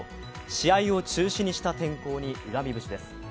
試合を中止にした天候に恨み節です。